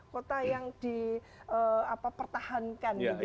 kota yang dipertahankan